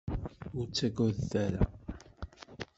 Ur t-tettagad ara.